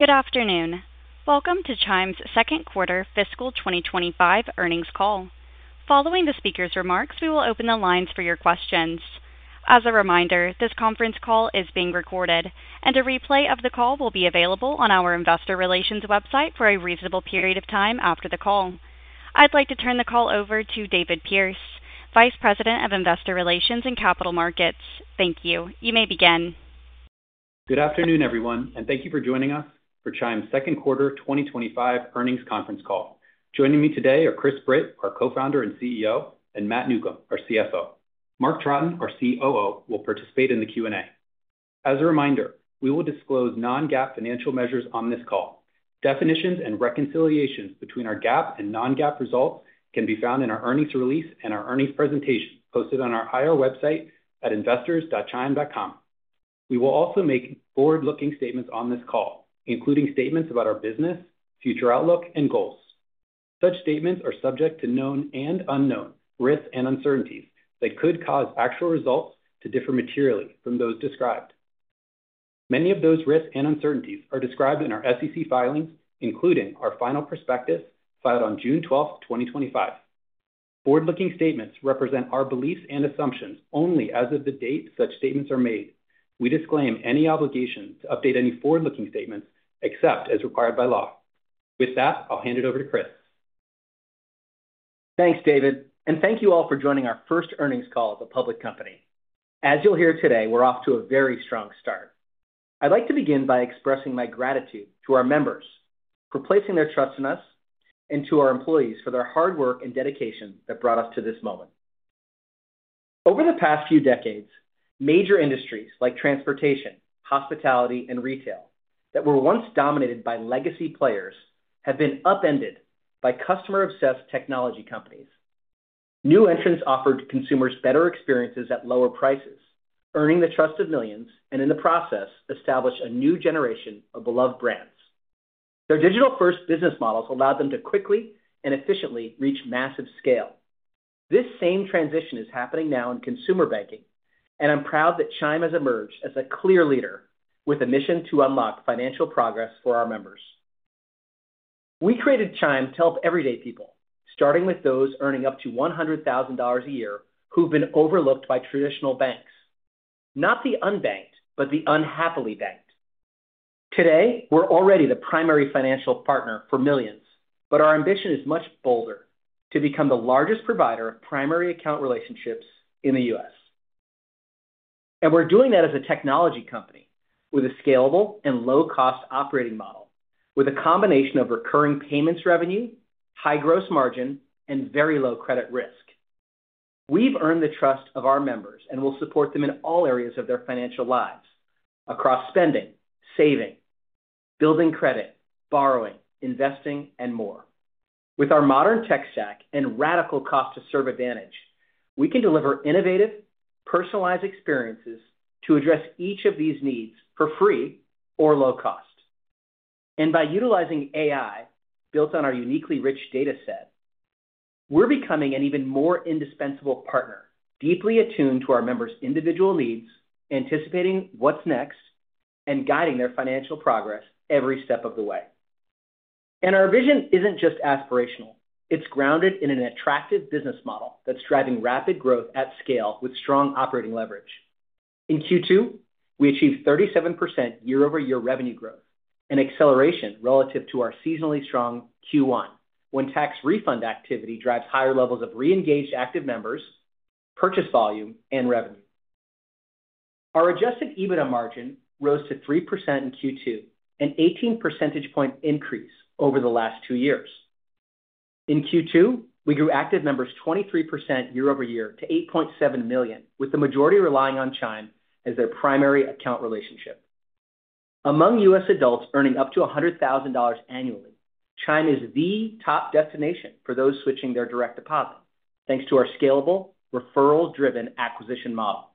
Good afternoon. Welcome to Chime's second quarter fiscal 2025 earnings call. Following the speaker's remarks, we will open the lines for your questions. As a reminder, this conference call is being recorded, and a replay of the call will be available on our Investor Relations website for a reasonable period of time after the call. I'd like to turn the call over to David Pearce, Vice President of Investor Relations and Capital Markets. Thank you. You may begin. Good afternoon, everyone, and thank you for joining us for Chime's Second Quarter 2025 Earnings Conference Call. Joining me today are Chris Britt, our Co-Founder and CEO, and Matt Newcomb, our CFO. Mark Troughton, our COO, will participate in the Q&A. As a reminder, we will disclose non-GAAP financial measures on this call. Definitions and reconciliations between our GAAP and non-GAAP results can be found in our earnings release and our earnings presentation posted on our IR website at investors.chime.com. We will also make forward-looking statements on this call, including statements about our business, future outlook, and goals. Such statements are subject to known and unknown risks and uncertainties that could cause actual results to differ materially from those described. Many of those risks and uncertainties are described in our SEC filings, including our final prospectus filed on June 12, 2025. Forward-looking statements represent our beliefs and assumptions only as of the date such statements are made. We disclaim any obligation to update any forward-looking statements except as required by law. With that, I'll hand it over to Chris. Thanks, David, and thank you all for joining our first earnings call as a public company. As you'll hear today, we're off to a very strong start. I'd like to begin by expressing my gratitude to our members for placing their trust in us and to our employees for their hard work and dedication that brought us to this moment. Over the past few decades, major industries like transportation, hospitality, and retail that were once dominated by legacy players have been upended by customer-obsessed technology companies. New entrants offered consumers better experiences at lower prices, earning the trust of millions, and in the process, established a new generation of beloved brands. Their digital-first business models allowed them to quickly and efficiently reach massive scale. This same transition is happening now in consumer banking, and I'm proud that Chime has emerged as a clear leader with a mission to unlock financial progress for our members. We created Chime to help everyday people, starting with those earning up to $100,000 a year who've been overlooked by traditional banks. Not the unbanked, but the unhappily banked. Today, we're already the primary financial partner for millions, but our ambition is much bolder to become the largest provider of primary account relationships in the U.S. We are doing that as a technology company with a scalable and low-cost operating model, with a combination of recurring payments revenue, high gross margin, and very low credit risk. We've earned the trust of our members and will support them in all areas of their financial lives across spending, saving, building credit, borrowing, investing, and more. With our modern tech stack and radical cost-to-serve advantage, we can deliver innovative, personalized experiences to address each of these needs for free or low cost. By utilizing AI built on our uniquely rich data set, we're becoming an even more indispensable partner, deeply attuned to our members' individual needs, anticipating what's next and guiding their financial progress every step of the way. Our vision isn't just aspirational; it's grounded in an attractive business model that's driving rapid growth at scale with strong operating leverage. In Q2, we achieved 37% year-over-year revenue growth, an acceleration relative to our seasonally strong Q1, when tax refund activity drives higher levels of re-engaged active members, purchase volume, and revenue. Our adjusted EBITDA margin rose to 3% in Q2, an 18 percentage point increase over the last two years. In Q2, we grew active members 23% year-over-year to 8.7 million, with the majority relying on Chime as their primary account relationship. Among U.S. adults earning up to $100,000 annually, Chime is the top destination for those switching their direct deposit, thanks to our scalable, referral-driven acquisition model.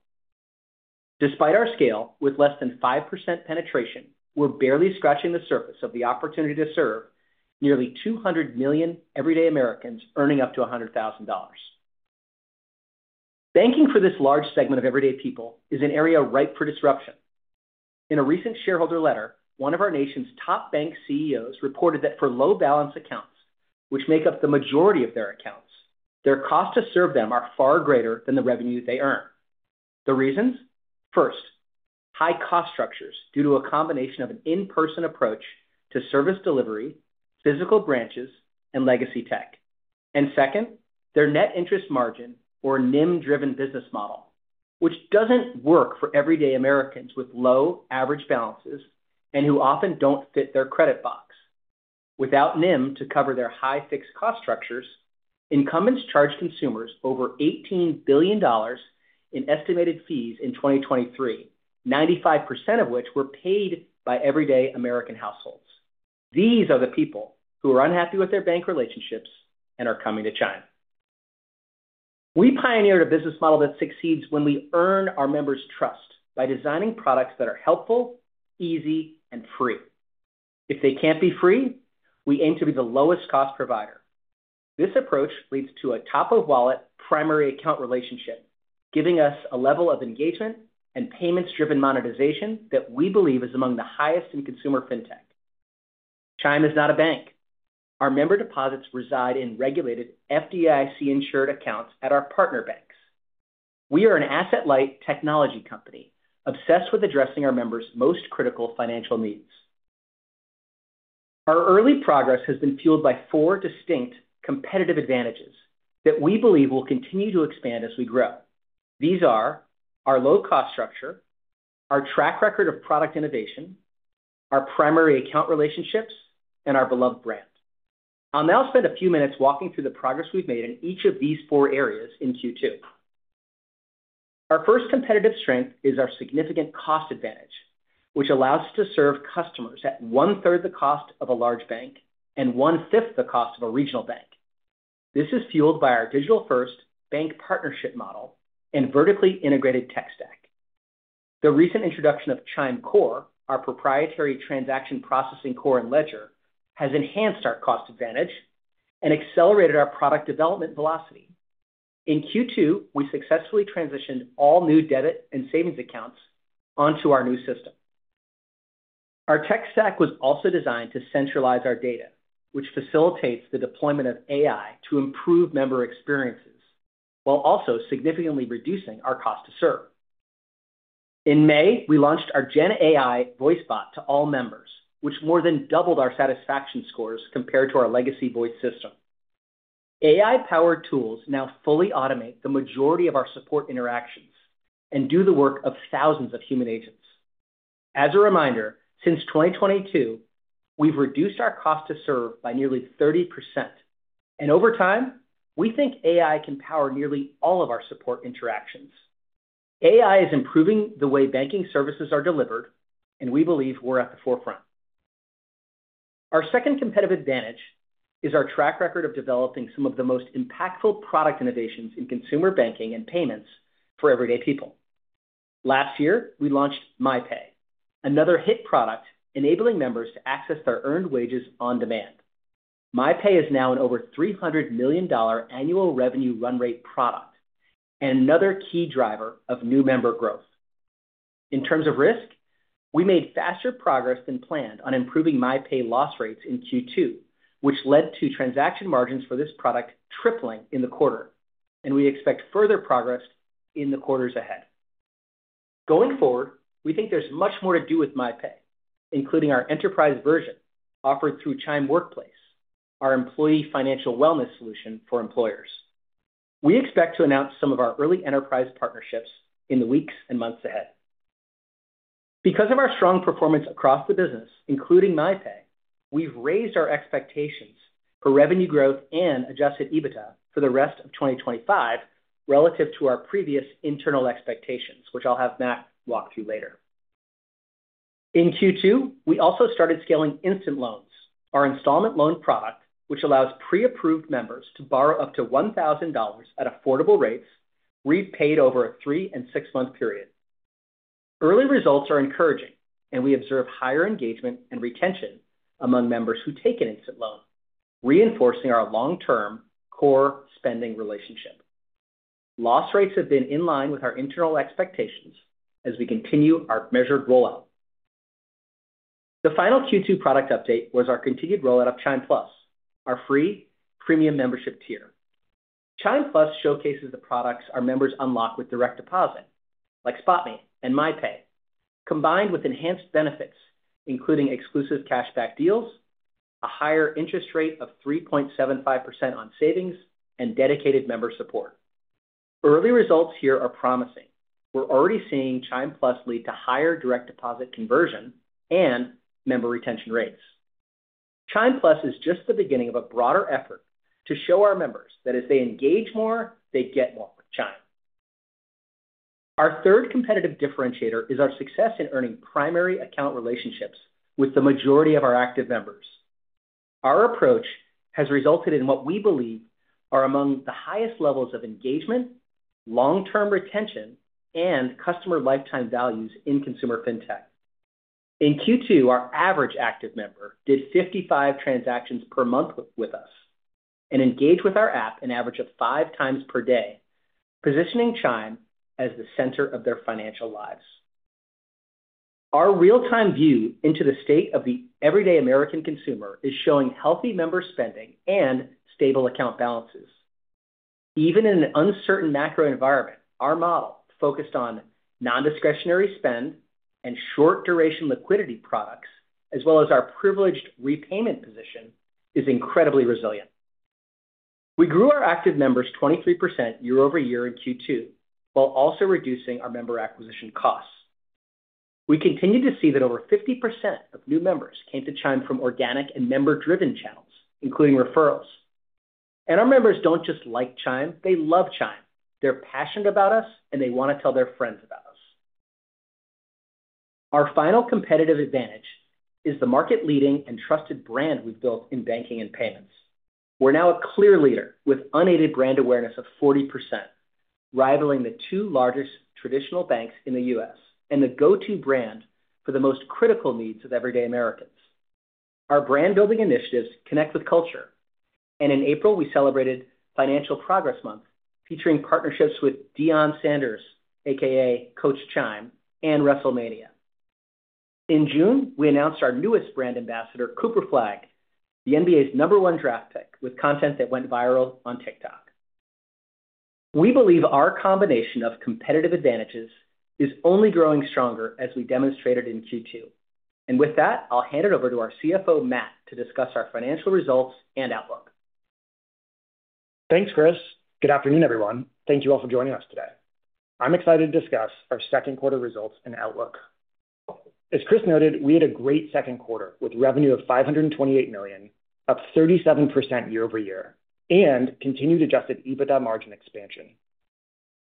Despite our scale, with less than 5% penetration, we're barely scratching the surface of the opportunity to serve nearly 200 million everyday Americans earning up to $100,000. Banking for this large segment of everyday people is an area ripe for disruption. In a recent shareholder letter, one of our nation's top bank CEOs reported that for low-balance accounts, which make up the majority of their accounts, their costs to serve them are far greater than the revenue they earn. The reasons? First, high cost structures due to a combination of an in-person approach to service delivery, physical branches, and legacy tech. Second, their net interest margin, or NIM-driven business model, which doesn't work for everyday Americans with low average balances and who often don't fit their credit box. Without NIM to cover their high fixed cost structures, incumbents charged consumers over $18 billion in estimated fees in 2023, 95% of which were paid by everyday American households. These are the people who are unhappy with their bank relationships and are coming to Chime. We pioneered a business model that succeeds when we earn our members' trust by designing products that are helpful, easy, and free. If they can't be free, we aim to be the lowest cost provider. This approach leads to a top-of-wallet primary account relationship, giving us a level of engagement and payments-driven monetization that we believe is among the highest in consumer fintech. Chime is not a bank. Our member deposits reside in regulated FDIC-insured accounts at our partner banks. We are an asset-light technology company obsessed with addressing our members' most critical financial needs. Our early progress has been fueled by four distinct competitive advantages that we believe will continue to expand as we grow. These are our low-cost structure, our track record of product innovation, our primary account relationships, and our beloved brand. I'll now spend a few minutes walking through the progress we've made in each of these four areas in Q2. Our first competitive strength is our significant cost advantage, which allows us to serve customers at 1/3 of the cost of a large bank and 1/5 of the cost of a regional bank. This is fueled by our digital-first bank partnership model and vertically integrated tech stack. The recent introduction of ChimeCore, our proprietary transaction processing core and ledger, has enhanced our cost advantage and accelerated our product development velocity. In Q2, we successfully transitioned all new debit and savings accounts onto our new system. Our tech stack was also designed to centralize our data, which facilitates the deployment of AI to improve member experiences while also significantly reducing our cost to serve. In May, we launched our GenAI voice bot to all members, which more than doubled our satisfaction scores compared to our legacy voice system. AI-powered tools now fully automate the majority of our support interactions and do the work of thousands of human agents. As a reminder, since 2022, we've reduced our cost to serve by nearly 30%, and over time, we think AI can power nearly all of our support interactions. AI is improving the way banking services are delivered, and we believe we're at the forefront. Our second competitive advantage is our track record of developing some of the most impactful product innovations in consumer banking and payments for everyday people. Last year, we launched MyPay, another hit product enabling members to access their earned wages on demand. MyPay is now an over $300 million annual revenue run-rate product and another key driver of new member growth. In terms of risk, we made faster progress than planned on improving MyPay loss rates in Q2, which led to transaction margins for this product tripling in the quarter, and we expect further progress in the quarters ahead. Going forward, we think there's much more to do with MyPay, including our enterprise version offered through Chime Workplace, our employee financial wellness solution for employers. We expect to announce some of our early enterprise partnerships in the weeks and months ahead. Because of our strong performance across the business, including MyPay, we've raised our expectations for revenue growth and adjusted EBITDA for the rest of 2025 relative to our previous internal expectations, which I'll have Matt walk through later. In Q2, we also started scaling Instant Loans, our installment loan product, which allows pre-approved members to borrow up to $1,000 at affordable rates, repaid over a three and six-month period. Early results are encouraging, and we observe higher engagement and retention among members who take an Instant Loan, reinforcing our long-term core spending relationship. Loss rates have been in line with our internal expectations as we continue our measured rollout. The final Q2 product update was our continued rollout of Chime+, our free premium membership tier. Chime+ showcases the products our members unlock with direct deposit, like SpotMe and MyPay, combined with enhanced benefits, including exclusive cashback deals, a higher interest rate of 3.75% on savings, and dedicated member support. Early results here are promising. We're already seeing Chime+ lead to higher direct deposit conversion and member retention rates. Chime+ is just the beginning of a broader effort to show our members that as they engage more, they get more from Chime. Our third competitive differentiator is our success in earning primary account relationships with the majority of our active members. Our approach has resulted in what we believe are among the highest levels of engagement, long-term retention, and customer lifetime values in consumer fintech. In Q2, our average active member did 55 transactions per month with us and engaged with our app an average of five times per day, positioning Chime as the center of their financial lives. Our real-time view into the state of the everyday American consumer is showing healthy member spending and stable account balances. Even in an uncertain macro environment, our model focused on non-discretionary spend and short-duration liquidity products, as well as our privileged repayment position, is incredibly resilient. We grew our active members 23% year-over-year in Q2 while also reducing our member acquisition costs. We continue to see that over 50% of new members came to Chime from organic and member-driven channels, including referrals. Our members don't just like Chime, they love Chime. They're passionate about us, and they want to tell their friends about us. Our final competitive advantage is the market-leading and trusted brand we've built in banking and payments. We're now a clear leader with unaided brand awareness of 40%, rivaling the two largest traditional banks in the U.S. and the go-to brand for the most critical needs of everyday Americans. Our brand-building initiatives connect with culture, and in April, we celebrated Financial Progress Month, featuring partnerships with Deion Sanders, aka Coach Chime, and WrestleMania. In June, we announced our newest brand ambassador, Cooper Flagg, the NBA's number one draft pick, with content that went viral on TikTok. We believe our combination of competitive advantages is only growing stronger as we demonstrated in Q2. With that, I'll hand it over to our CFO, Matt, to discuss our financial results and outlook. Thanks, Chris. Good afternoon, everyone. Thank you all for joining us today. I'm excited to discuss our second quarter results and outlook. As Chris noted, we had a great second quarter with revenue of $528 million, up 37% year-over-year, and continued adjusted EBITDA margin expansion.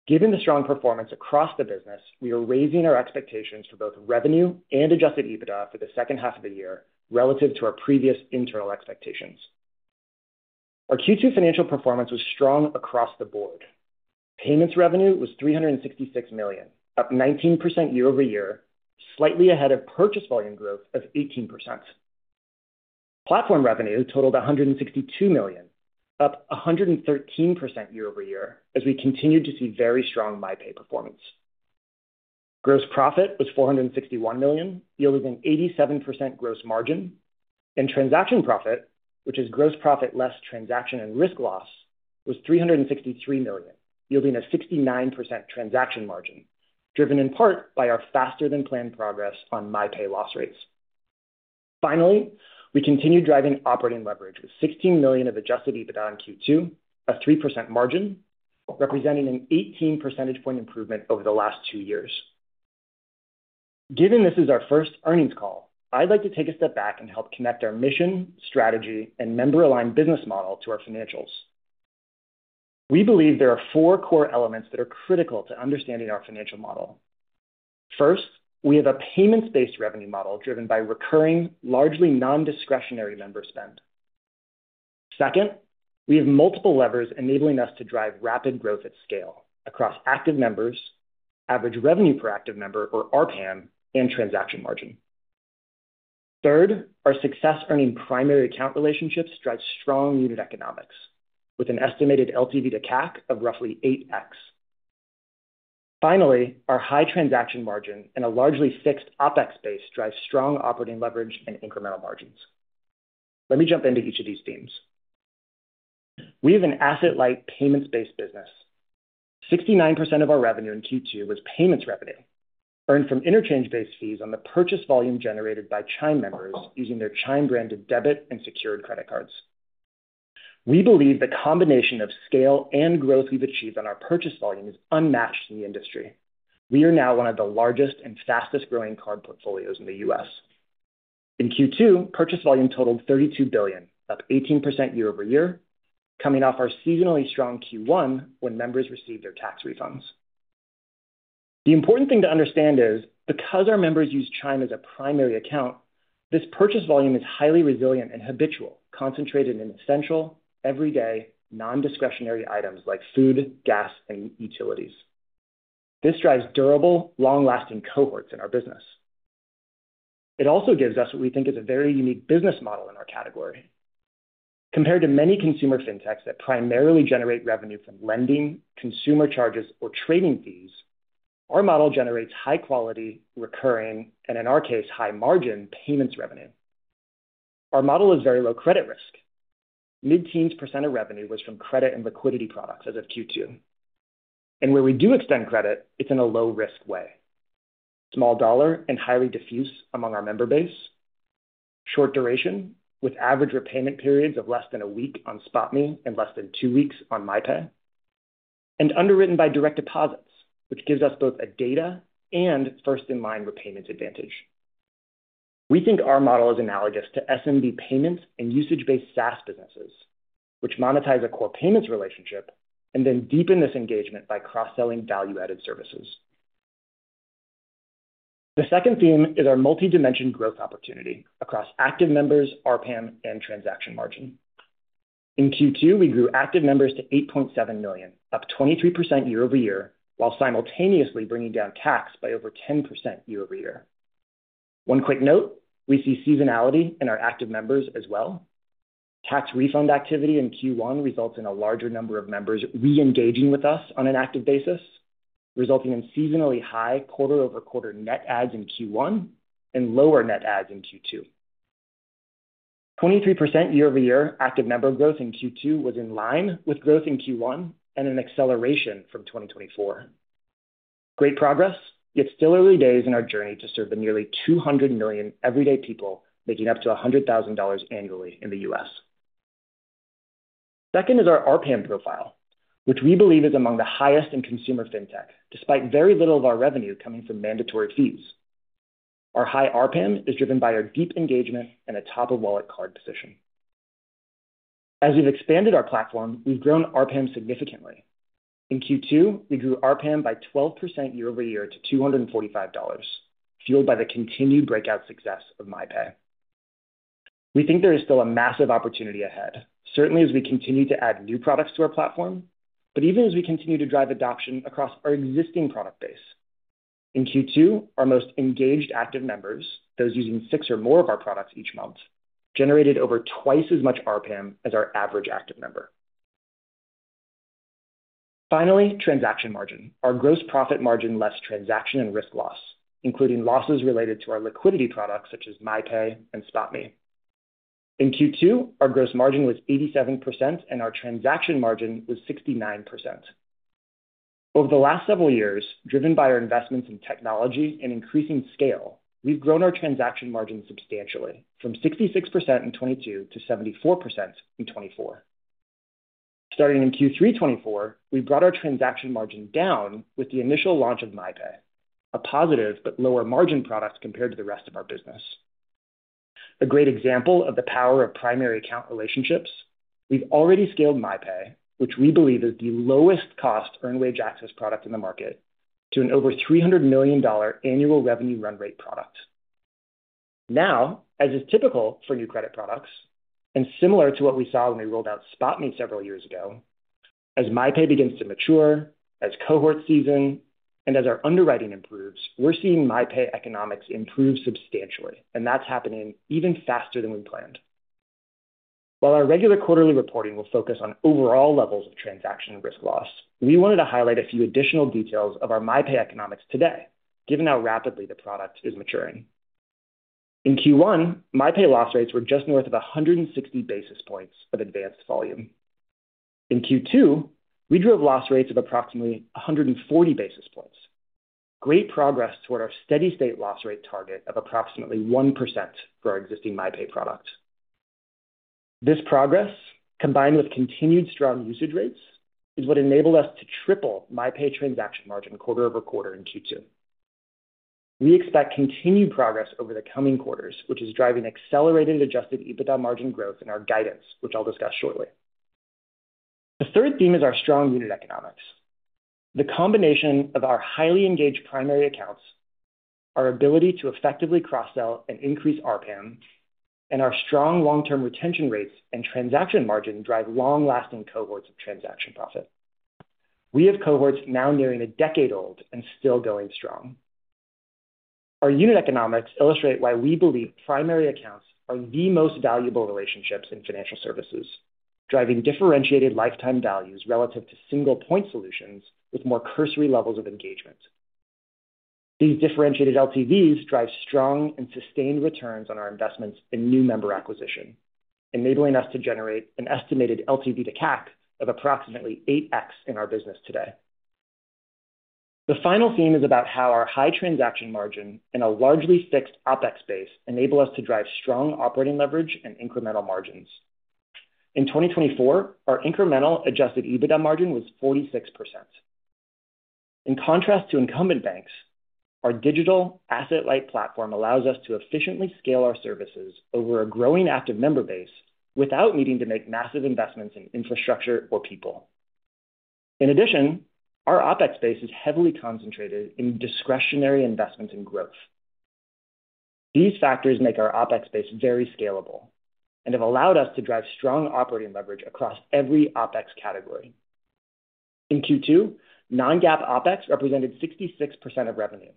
Given the strong performance across the business, we are raising our expectations for both revenue and adjusted EBITDA for the second half of the year relative to our previous internal expectations. Our Q2 financial performance was strong across the board. Payments revenue was $366 million, up 19% year-over-year, slightly ahead of purchase volume growth of 18%. Platform revenue totaled $162 million, up 113% year-over-year, as we continued to see very strong MyPay performance. Gross profit was $461 million, yielding an 87% gross margin, and transaction profit, which is gross profit less transaction and risk loss, was $363 million, yielding a 69% transaction margin, driven in part by our faster-than-planned progress on MyPay loss rates. Finally, we continued driving operating leverage with $16 million of adjusted EBITDA in Q2, a 3% margin, representing an 18 percentage point improvement over the last two years. Given this is our first earnings call, I'd like to take a step back and help connect our mission, strategy, and member-aligned business model to our financials. We believe there are four core elements that are critical to understanding our financial model. First, we have a payments-based revenue model driven by recurring, largely non-discretionary member spend. Second, we have multiple levers enabling us to drive rapid growth at scale across Active Members, Average Revenue Per Active Member, or ARPAM, and transaction margin. Third, our success earning primary account relationships drive strong unit economics, with an estimated LTV to CAC of roughly 8x. Finally, our high transaction margin and a largely fixed OpEx base drive strong operating leverage and incremental margins. Let me jump into each of these themes. We have an asset-light payments-based business. 69% of our revenue in Q2 was payments revenue, earned from interchange-based fees on the purchase volume generated by Chime members using their Chime-branded debit and secured credit cards. We believe the combination of scale and growth we've achieved on our purchase volume is unmatched in the industry. We are now one of the largest and fastest growing card portfolios in the U.S. In Q2, purchase volume totaled $32 billion, up 18% year-over-year, coming off our seasonally strong Q1 when members received their tax refunds. The important thing to understand is because our members use Chime as a primary account, this purchase volume is highly resilient and habitual, concentrated in essential, everyday, non-discretionary items like food, gas, and utilities. This drives durable, long-lasting cohorts in our business. It also gives us what we think is a very unique business model in our category. Compared to many consumer fintechs that primarily generate revenue from lending, consumer charges, or trading fees, our model generates high quality, recurring, and in our case, high margin payments revenue. Our model is very low credit risk. Mid-teens % of revenue was from credit and liquidity products as of Q2. Where we do extend credit, it's in a low-risk way. Small dollar and highly diffuse among our member base. Short duration, with average repayment periods of less than a week on SpotMe and less than two weeks on MyPay, and underwritten by direct deposits, which gives us both a data and first-in-line repayments advantage. We think our model is analogous to SMB payments and usage-based SaaS businesses, which monetize a core payments relationship and then deepen this engagement by cross-selling value-added services. The second theme is our multi-dimension growth opportunity across active members, ARPAM, and transaction margin. In Q2, we grew active members to 8.7 million, up 23% year-over-year, while simultaneously bringing down tax by over 10% year-over-year. One quick note, we see seasonality in our active members as well. Tax refund activity in Q1 results in a larger number of members re-engaging with us on an active basis, resulting in seasonally high quarter-over-quarter net adds in Q1 and lower net adds in Q2. 23% year-over-year active member growth in Q2 was in line with growth in Q1 and an acceleration from 2024. Great progress, yet still early days in our journey to serve the nearly 200 million everyday people making up to $100,000 annually in the U.S. Second is our ARPAM profile, which we believe is among the highest in consumer fintech, despite very little of our revenue coming from mandatory fees. Our high ARPAM is driven by our deep engagement and a top-of-wallet card position. As we've expanded our platform, we've grown ARPAM significantly. In Q2, we grew ARPAM by 12% year-over-year to $245, fueled by the continued breakout success of MyPay. We think there is still a massive opportunity ahead, certainly as we continue to add new products to our platform, but even as we continue to drive adoption across our existing product base. In Q2, our most engaged active members, those using six or more of our products each month, generated over twice as much ARPAM as our average active member. Finally, transaction margin. Our gross profit margin nets transaction and risk loss, including losses related to our liquidity products such as MyPay and SpotMe. In Q2, our gross margin was 87% and our transaction margin was 69%. Over the last several years, driven by our investments in technology and increasing scale, we've grown our transaction margin substantially from 66% in 2022 to 74% in 2024. Starting in Q3 2024, we brought our transaction margin down with the initial launch of MyPay, a positive but lower margin product compared to the rest of our business. A great example of the power of primary account relationships, we've already scaled MyPay, which we believe is the lowest cost earned wage access product in the market, to an over $300 million annual revenue run-rate product. Now, as is typical for new credit products and similar to what we saw when we rolled out SpotMe several years ago, as MyPay begins to mature, as cohorts season, and as our underwriting improves, we're seeing MyPay economics improve substantially, and that's happening even faster than we planned. While our regular quarterly reporting will focus on overall levels of transaction and risk loss, we wanted to highlight a few additional details of our MyPay economics today, given how rapidly the product is maturing. In Q1, MyPay loss rates were just north of 160 basis points of advanced volume. In Q2, we drove loss rates of approximately 140 basis points. Great progress toward our steady-state loss rate target of approximately 1% for our existing MyPay product. This progress, combined with continued strong usage rates, is what enabled us to triple MyPay transaction margin quarter over quarter in Q2. We expect continued progress over the coming quarters, which is driving accelerated adjusted EBITDA margin growth in our guidance, which I'll discuss shortly. The third theme is our strong unit economics. The combination of our highly engaged primary accounts, our ability to effectively cross-sell and increase ARPAM, and our strong long-term retention rates and transaction margin drive long-lasting cohorts of transaction profit. We have cohorts now nearing a decade old and still going strong. Our unit economics illustrate why we believe primary accounts are the most valuable relationships in financial services, driving differentiated lifetime values relative to single-point solutions with more cursory levels of engagement. These differentiated LTVs drive strong and sustained returns on our investments in new member acquisition, enabling us to generate an estimated LTV to CAC of approximately 8x in our business today. The final theme is about how our high transaction margin and a largely fixed OpEx base enable us to drive strong operating leverage and incremental margins. In 2024, our incremental adjusted EBITDA margin was 46%. In contrast to incumbent banks, our digital asset-light platform allows us to efficiently scale our services over a growing active member base without needing to make massive investments in infrastructure or people. In addition, our OpEx base is heavily concentrated in discretionary investments in growth. These factors make our OpEx base very scalable and have allowed us to drive strong operating leverage across every OpEx category. In Q2, non-GAAP OpEx represented 66% of revenue,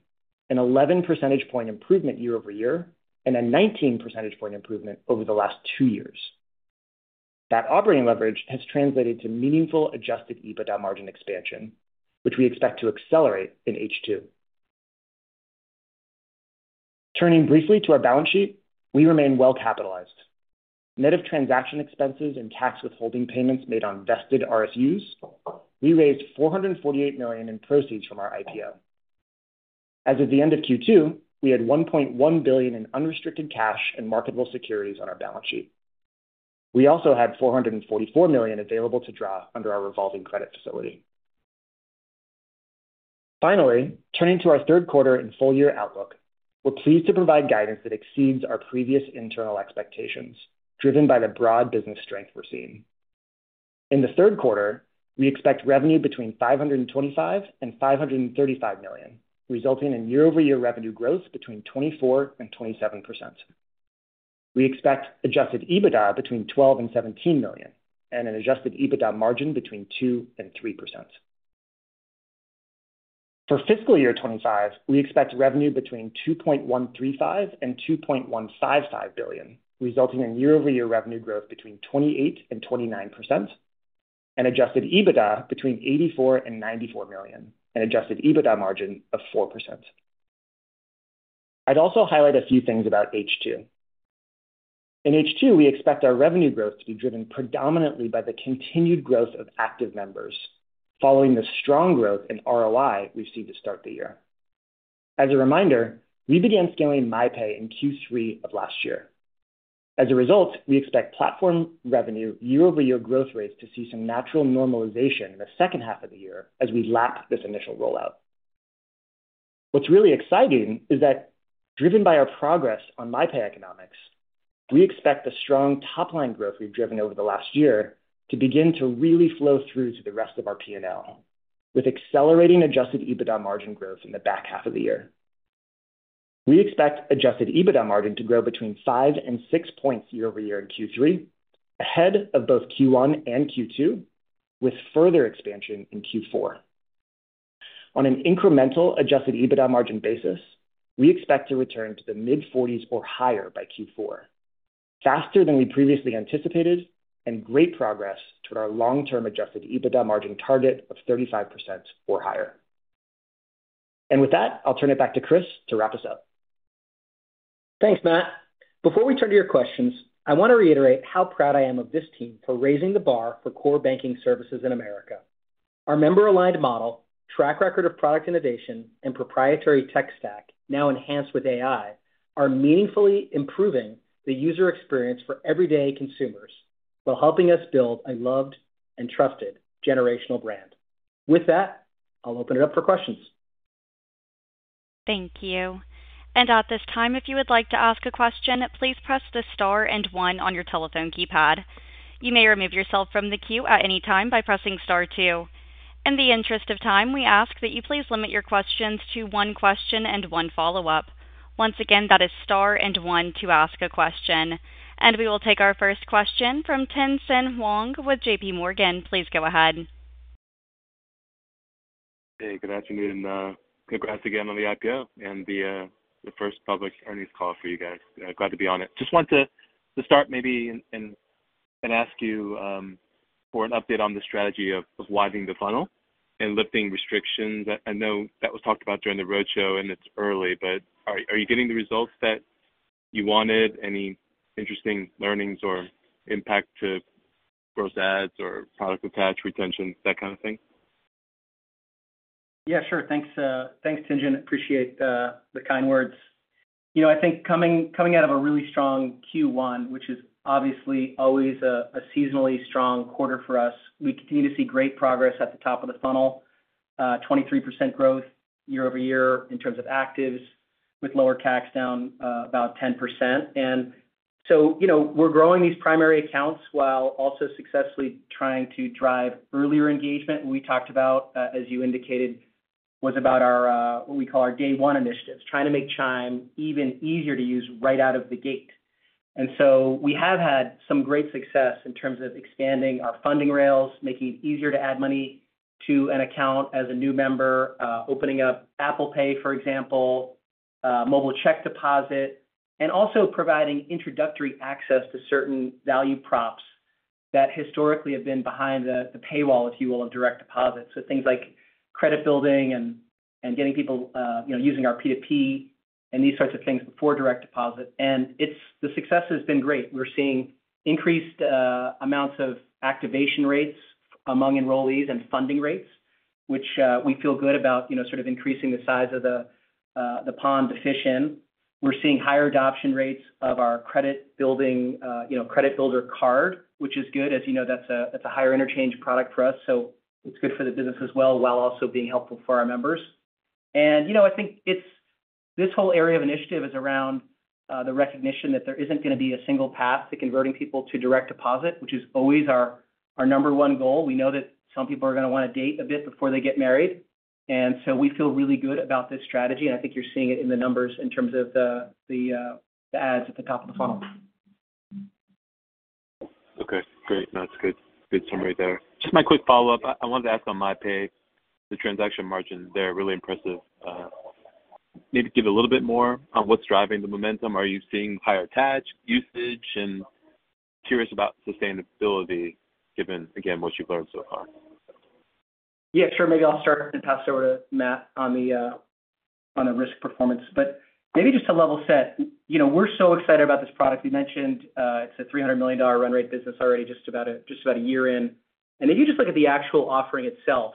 an 11 percentage point improvement year-over-year, and a 19 percentage point improvement over the last two years. That operating leverage has translated to meaningful adjusted EBITDA margin expansion, which we expect to accelerate in H2. Turning briefly to our balance sheet, we remain well capitalized. Net of transaction expenses and tax withholding payments made on vested RSUs, we raised $448 million in proceeds from our IPO. As of the end of Q2, we had $1.1 billion in unrestricted cash and marketable securities on our balance sheet. We also had $444 million available to draw under our revolving credit facility. Finally, turning to our third quarter and full-year outlook, we're pleased to provide guidance that exceeds our previous internal expectations, driven by the broad business strength we're seeing. In the third quarter, we expect revenue between $525 million and $535 million, resulting in year-over-year revenue growth between 24% and 27%. We expect adjusted EBITDA between $12 million and $17 million, and an adjusted EBITDA margin between 2% and 3%. For fiscal year 2025, we expect revenue between $2.135 billion and $2.155 billion, resulting in year-over-year revenue growth between 28% and 29%, and adjusted EBITDA between $84 million and $94 million, an adjusted EBITDA margin of 4%. I'd also highlight a few things about H2. In H2, we expect our revenue growth to be driven predominantly by the continued growth of active members, following the strong growth in ROI we've seen to start the year. As a reminder, we began scaling MyPay in Q3 of last year. As a result, we expect platform revenue year-over-year growth rates to see some natural normalization in the second half of the year as we lap this initial rollout. What's really exciting is that, driven by our progress on MyPay economics, we expect the strong top-line growth we've driven over the last year to begin to really flow through to the rest of our P&L, with accelerating adjusted EBITDA margin growth in the back half of the year. We expect adjusted EBITDA margin to grow between 5% and 6% year-over-year in Q3, ahead of both Q1 and Q2, with further expansion in Q4. On an incremental adjusted EBITDA margin basis, we expect to return to the mid-40% or higher by Q4, faster than we previously anticipated, and great progress toward our long-term adjusted EBITDA margin target of 35% or higher. With that, I'll turn it back to Chris to wrap us up. Thanks, Matt. Before we turn to your questions, I want to reiterate how proud I am of this team for raising the bar for core banking services in America. Our member-aligned model, track record of product innovation, and proprietary tech stack, now enhanced with AI, are meaningfully improving the user experience for everyday consumers while helping us build a loved and trusted generational brand. With that, I'll open it up for questions. Thank you. At this time, if you would like to ask a question, please press the star and one on your telephone keypad. You may remove yourself from the queue at any time by pressing star two. In the interest of time, we ask that you please limit your questions to one question and one follow-up. Once again, that is star and one to ask a question. We will take our first question from Tien-tsin Huang with JP Morgan. Please go ahead. Hey, good afternoon. Congrats again on the IPO and the first public earnings call for you guys. Glad to be on it. Just wanted to start maybe and ask you for an update on the strategy of widening the funnel and lifting restrictions. I know that was talked about during the roadshow and it's early, but are you getting the results that you wanted? Any interesting learnings or impact to growth ads or product attach retention, that kind of thing? Yeah, sure. Thanks, Tien-tsin. Appreciate the kind words. I think coming out of a really strong Q1, which is obviously always a seasonally strong quarter for us, we continue to see great progress at the top of the funnel, 23% growth year-over-year in terms of actives, with lower CACs down about 10%. We're growing these primary accounts while also successfully trying to drive earlier engagement. What we talked about, as you indicated, was about what we call our day one initiatives, trying to make Chime even easier to use right out of the gate. We have had some great success in terms of expanding our funding rails, making it easier to add money to an account as a new member, opening up Apple Pay, for example, mobile check deposit, and also providing introductory access to certain value props that historically have been behind the paywall, if you will, in direct deposit. Things like credit building and getting people using our P2P and these sorts of things before direct deposit. The success has been great. We're seeing increased amounts of activation rates among enrollees and funding rates, which we feel good about, sort of increasing the size of the pond to fish in. We're seeing higher adoption rates of our credit building, credit builder card, which is good. As you know, that's a higher interchange product for us. It's good for the business as well, while also being helpful for our members. I think this whole area of initiative is around the recognition that there isn't going to be a single path to converting people to direct deposit, which is always our number one goal. We know that some people are going to want to date a bit before they get married. We feel really good about this strategy. I think you're seeing it in the numbers in terms of the ads at the top of the funnel. Okay, great. That's a good summary there. Just my quick follow-up. I wanted to ask on MyPay, the transaction margin there, really impressive. Maybe give a little bit more on what's driving the momentum. Are you seeing higher attach usage? I'm curious about sustainability, given, again, what you've learned so far. Yeah, sure. Maybe I'll start and pass it over to Matt on the risk performance. Maybe just to level set, you know, we're so excited about this product. You mentioned it's a $300 million run-rate business already, just about a year in. If you just look at the actual offering itself,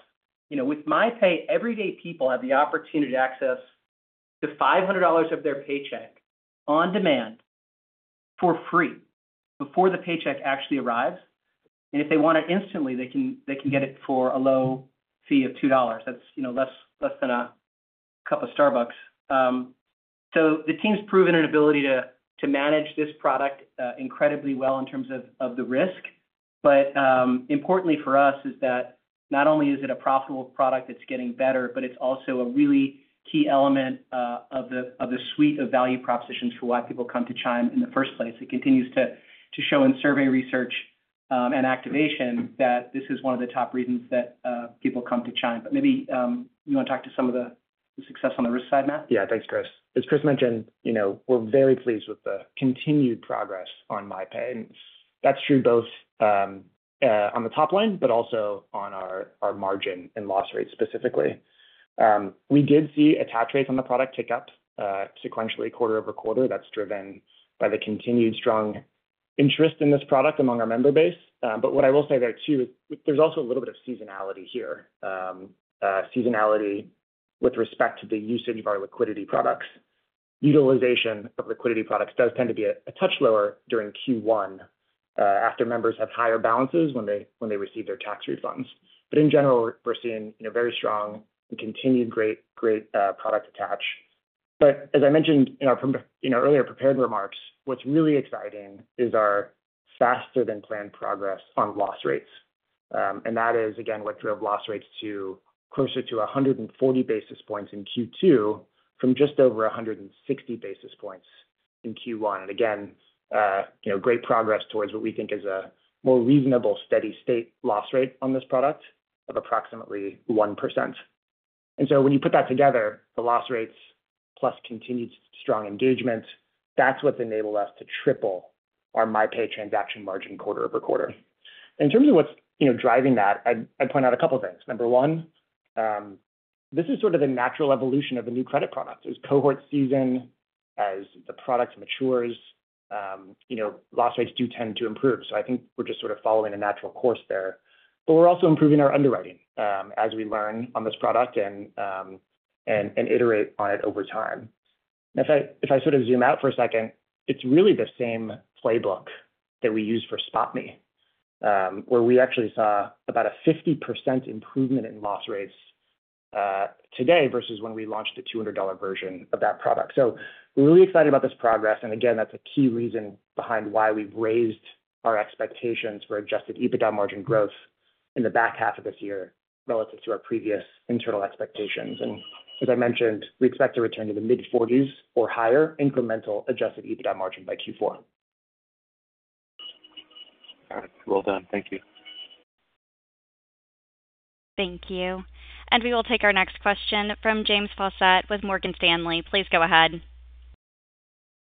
you know, with MyPay, everyday people have the opportunity to access to $500 of their paycheck on demand for free before the paycheck actually arrives. If they want it instantly, they can get it for a low fee of $2. That's, you know, less than a cup of Starbucks. The team's proven an ability to manage this product incredibly well in terms of the risk. Importantly for us is that not only is it a profitable product, it's getting better, but it's also a really key element of the suite of value propositions for why people come to Chime in the first place. It continues to show in survey research and activation that this is one of the top reasons that people come to Chime. Maybe you want to talk to some of the success on the risk side, Matt? Yeah, thanks, Chris. As Chris mentioned, we're very pleased with the continued progress on MyPay. That's true both on the top line and also on our margin and loss rate specifically. We did see attach rates on the product tick up sequentially, quarter over quarter. That's driven by the continued strong interest in this product among our member base. What I will say there too is there's also a little bit of seasonality here, seasonality with respect to the usage of our liquidity products. Utilization of liquidity products does tend to be a touch lower during Q1 after members have higher balances when they receive their tax refunds. In general, we're seeing very strong and continued great product attach. As I mentioned in our earlier prepared remarks, what's really exciting is our faster-than-planned progress on loss rates. That is, again, what drove loss rates to closer to 140 basis points in Q2 from just over 160 basis points in Q1. Again, great progress towards what we think is a more reasonable steady-state loss rate on this product of approximately 1%. When you put that together, the loss rates plus continued strong engagement, that's what's enabled us to triple our MyPay transaction margin quarter over quarter. In terms of what's driving that, I'd point out a couple of things. Number one, this is sort of the natural evolution of a new credit product. As cohorts season, as the product matures, loss rates do tend to improve. I think we're just sort of following a natural course there. We're also improving our underwriting as we learn on this product and iterate on it over time. If I sort of zoom out for a second, it's really the same playbook that we use for SpotMe, where we actually saw about a 50% improvement in loss rates today versus when we launched the $200 version of that product. We're really excited about this progress. That's a key reason behind why we've raised our expectations for adjusted EBITDA margin growth in the back half of this year relative to our previous internal expectations. As I mentioned, we expect to return to the mid-40s or higher incremental adjusted EBITDA margin by Q4. Thank you. Thank you. We will take our next question from James Faucette with Morgan Stanley. Please go ahead.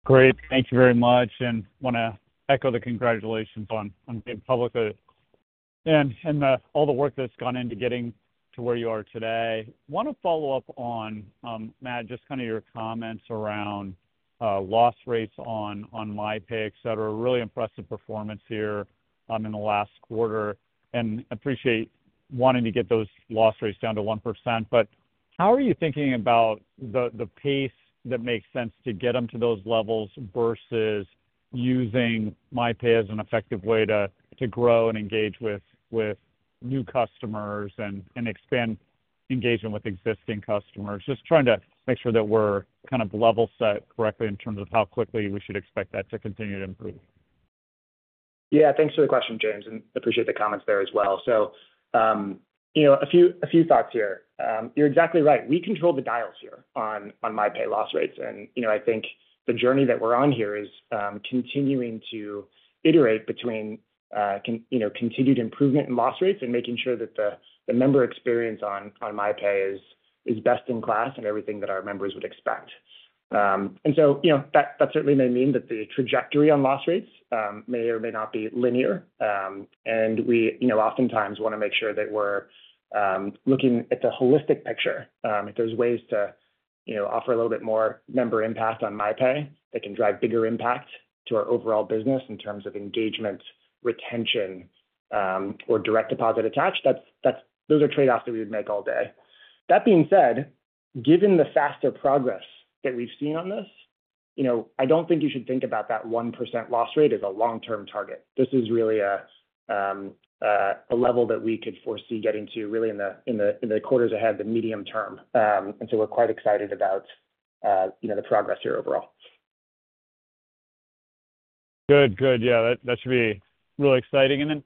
Great. Thank you very much. I want to echo the congratulations on being public and all the work that's gone into getting to where you are today. I want to follow up on, Matt, just kind of your comments around loss rates on MyPay, etc. Really impressive performance here in the last quarter. I appreciate wanting to get those loss rates down to 1%. How are you thinking about the pace that makes sense to get them to those levels versus using MyPay as an effective way to grow and engage with new customers and expand engagement with existing customers? Just trying to make sure that we're kind of level set correctly in terms of how quickly we should expect that to continue to improve. Yeah, thanks for the question, James. I appreciate the comments there as well. A few thoughts here. You're exactly right. We control the dials here on MyPay loss rates. I think the journey that we're on here is continuing to iterate between continued improvement in loss rates and making sure that the member experience on MyPay is best in class and everything that our members would expect. That certainly may mean that the trajectory on loss rates may or may not be linear. We oftentimes want to make sure that we're looking at the holistic picture. If there's ways to offer a little bit more member impact on MyPay that can drive bigger impact to our overall business in terms of engagement, retention, or direct deposit attached, those are trade-offs that we would make all day. That being said, given the faster progress that we've seen on this, I don't think you should think about that 1% loss rate as a long-term target. This is really a level that we could foresee getting to really in the quarters ahead, the medium term. We're quite excited about the progress here overall. Good, good. That should be really exciting.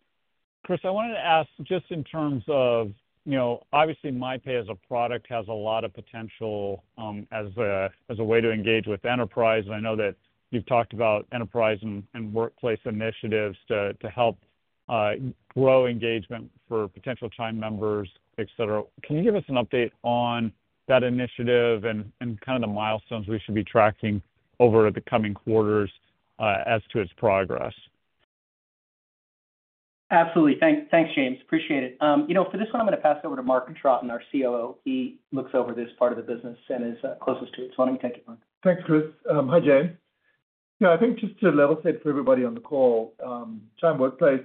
Chris, I wanted to ask just in terms of, you know, obviously MyPay as a product has a lot of potential as a way to engage with enterprise. I know that you've talked about enterprise and workplace initiatives to help grow engagement for potential Chime members, etc. Can you give us an update on that initiative and the milestones we should be tracking over the coming quarters as to its progress? Absolutely. Thanks, James. Appreciate it. For this one, I'm going to pass it over to Mark Troughton, our COO. He looks over this part of the business and is closest to it. Why don't we take it, Mark? Thanks, Chris. Hi, James. Yeah, I think just to level set for everybody on the call, Chime Workplace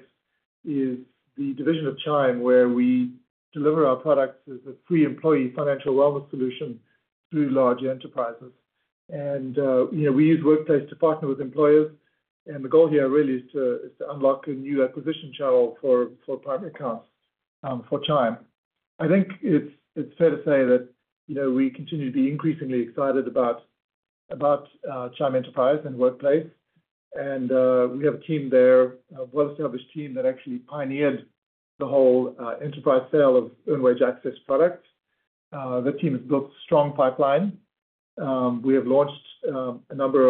is the division of Chime where we deliver our products as a free employee financial wellness solution through large enterprises. We use Workplace to partner with employers. The goal here really is to unlock a new acquisition channel for private accounts for Chime. I think it's fair to say that we continue to be increasingly excited about Chime Enterprise and Workplace. We have a team there, a well-established team that actually pioneered the whole enterprise sale of earned wage access products. The team has built a strong pipeline. We have launched a number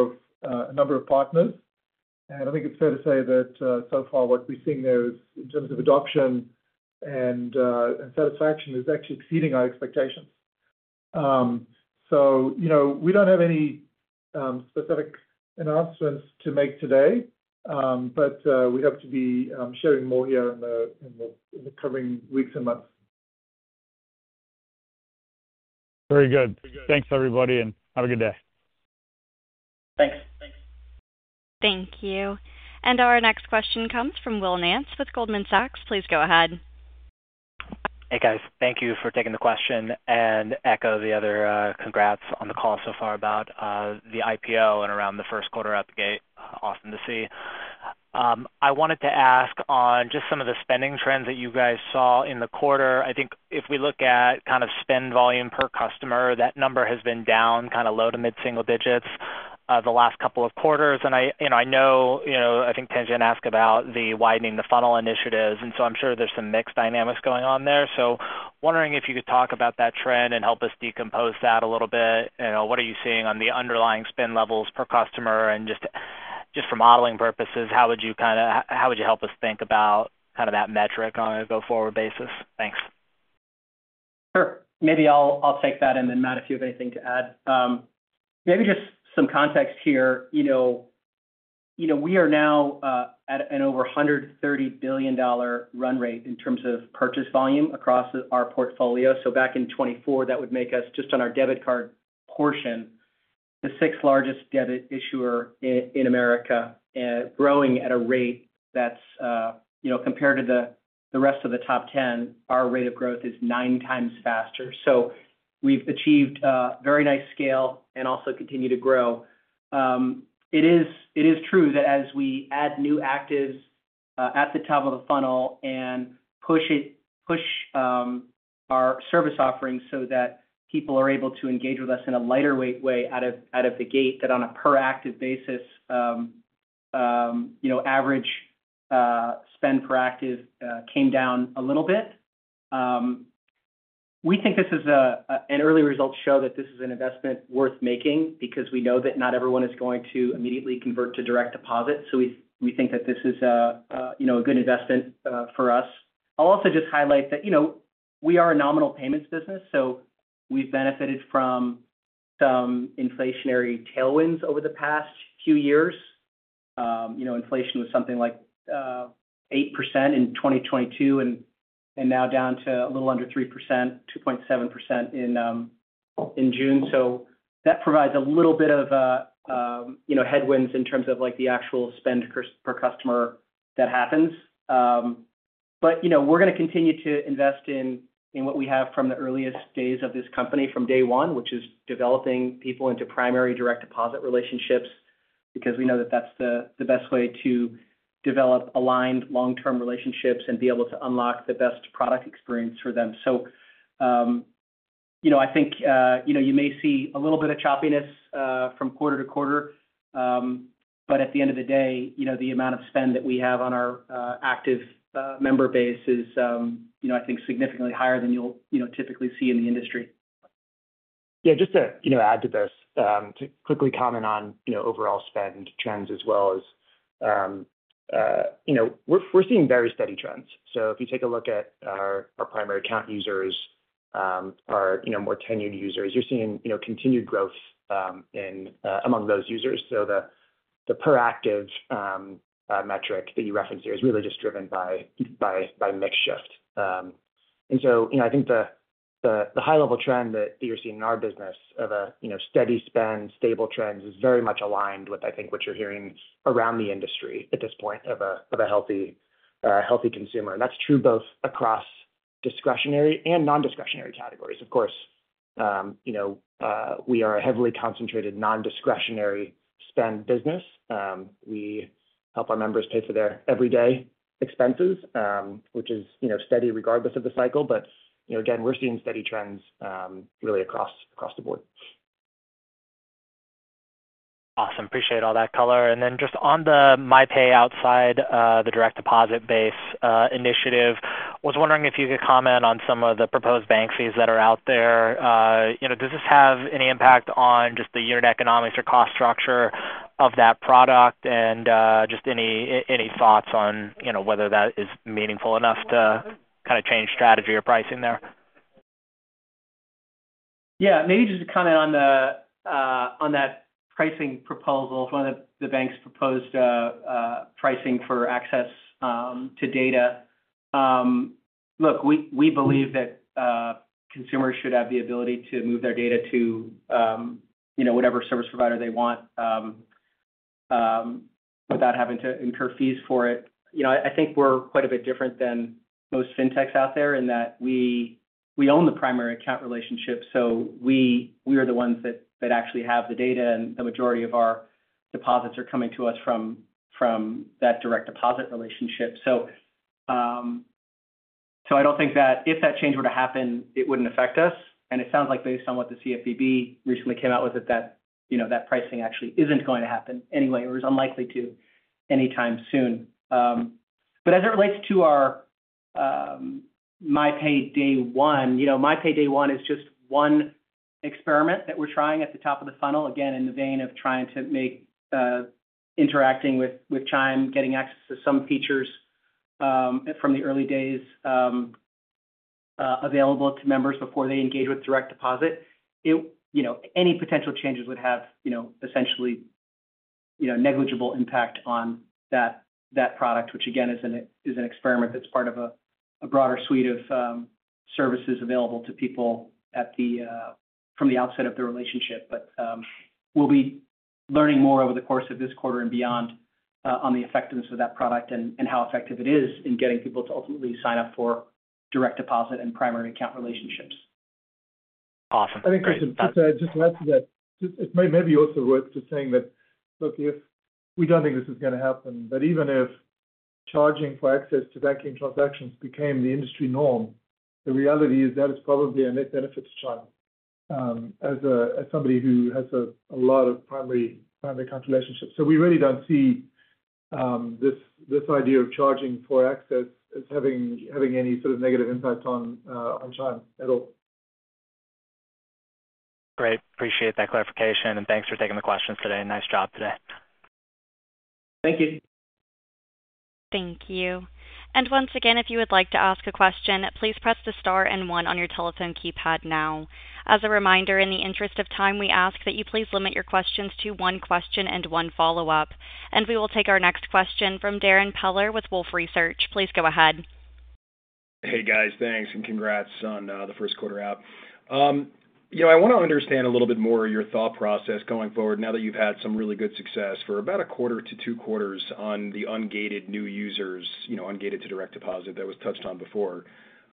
of partners. I think it's fair to say that so far what we're seeing there in terms of adoption and satisfaction is actually exceeding our expectations. We don't have any specific announcements to make today, but we hope to be sharing more here in the coming weeks and months. Very good. Thanks, everybody, and have a good day. Thanks. Thank you. Our next question comes from Will Nance with Goldman Sachs. Please go ahead. Hey, guys. Thank you for taking the question and echo the other congrats on the call so far about the IPO and around the first quarter out the gate. Awesome to see. I wanted to ask on just some of the spending trends that you guys saw in the quarter. I think if we look at kind of spend volume per customer, that number has been down kind of low to mid-single digits the last couple of quarters. I know, I think, Tien-tsin asked about the widening the funnel initiatives. I'm sure there's some mixed dynamics going on there. Wondering if you could talk about that trend and help us decompose that a little bit. What are you seeing on the underlying spend levels per customer? Just for modeling purposes, how would you help us think about kind of that metric on a go-forward basis? Thanks. Sure. Maybe I'll take that, and then Matt, if you have anything to add. Maybe just some context here. We are now at an over $130 billion run rate in terms of purchase volume across our portfolio. Back in 2024, that would make us, just on our debit card portion, the sixth largest debit issuer in America, growing at a rate that's, compared to the rest of the top 10, our rate of growth is nine times faster. We've achieved a very nice scale and also continue to grow. It is true that as we add new actives at the top of the funnel and push our service offerings so that people are able to engage with us in a lighter weight way out of the gate, that on a per-active basis, average spend per active came down a little bit. We think this is an early result to show that this is an investment worth making because we know that not everyone is going to immediately convert to direct deposit. We think that this is a good investment for us. I'll also just highlight that we are a nominal payments business. We've benefited from some inflationary tailwinds over the past few years. Inflation was something like 8% in 2022 and now down to a little under 3%, 2.7% in June. That provides a little bit of headwinds in terms of the actual spend per customer that happens. We're going to continue to invest in what we have from the earliest days of this company, from day one, which is developing people into primary direct deposit relationships because we know that that's the best way to develop aligned long-term relationships and be able to unlock the best product experience for them. I think you may see a little bit of choppiness from quarter to quarter. At the end of the day, the amount of spend that we have on our active member base is, I think, significantly higher than you'll typically see in the industry. Yeah, just to add to this, to quickly comment on overall spend trends as well as, we're seeing very steady trends. If you take a look at our primary account users, our more tenured users, you're seeing continued growth among those users. The per-active metric that you referenced here is really just driven by mixed shift. I think the high-level trend that you're seeing in our business of a steady spend, stable trends is very much aligned with what you're hearing around the industry at this point of a healthy consumer. That's true both across discretionary and non-discretionary categories. Of course, we are a heavily concentrated non-discretionary spend business. We help our members pay for their everyday expenses, which is steady regardless of the cycle. Again, we're seeing steady trends really across the board. Awesome. Appreciate all that color. Just on the MyPay outside the direct deposit base initiative, I was wondering if you could comment on some of the proposed bank fees that are out there. Does this have any impact on just the unit economics or cost structure of that product? Any thoughts on whether that is meaningful enough to kind of change strategy or pricing there? Yeah, maybe just to comment on that pricing proposal, one of the banks proposed pricing for access to data. Look, we believe that consumers should have the ability to move their data to, you know, whatever service provider they want without having to incur fees for it. I think we're quite a bit different than most fintechs out there in that we own the primary account relationship. We are the ones that actually have the data, and the majority of our deposits are coming to us from that direct deposit relationship. I don't think that if that change were to happen, it wouldn't affect us. It sounds like based on what the CFPB recently came out with, that pricing actually isn't going to happen anyway, or is unlikely to anytime soon. As it relates to our MyPay day one, MyPay day one is just one experiment that we're trying at the top of the funnel, again, in the vein of trying to make interacting with Chime, getting access to some features from the early days available to members before they engage with direct deposit. Any potential changes would have essentially negligible impact on that product, which again is an experiment that's part of a broader suite of services available to people from the outset of the relationship. We'll be learning more over the course of this quarter and beyond on the effectiveness of that product and how effective it is in getting people to ultimately sign up for direct deposit and primary account relationships. Awesome. I think, Chris, just to add to that, it may be also worth just saying that we don't think this is going to happen. Even if charging for access to banking transactions became the industry norm, the reality is that it's probably a net benefit to Chime as somebody who has a lot of primary account relationships. We really don't see this idea of charging for access as having any sort of negative impact on Chime at all. Great. I appreciate that clarification. Thanks for taking the questions today. Nice job today. Thank you. Thank you. Once again, if you would like to ask a question, please press the star and one on your telephone keypad now. As a reminder, in the interest of time, we ask that you please limit your questions to one question and one follow-up. We will take our next question from Darrin Peller with Wolfe Research. Please go ahead. Hey, guys. Thanks. Congrats on the first quarter out. I want to understand a little bit more of your thought process going forward now that you've had some really good success for about a quarter to two quarters on the ungated new users, ungated to direct deposit that was touched on before.